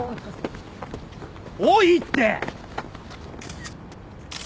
おいって！